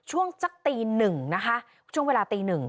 ช่วงจักรตีนึงนะคะช่วงเวลาตี๑